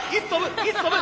いつ跳ぶ？